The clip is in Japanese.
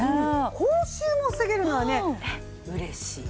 口臭も防げるのはね嬉しい。